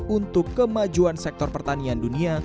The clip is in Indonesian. untuk kemajuan sektor pertanian dunia